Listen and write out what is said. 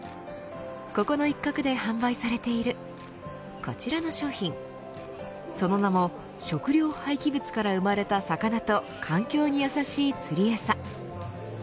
ここの一角で販売されているこちらの商品その名も食料廃棄物から生まれた魚と環境にやさしい釣りえさ。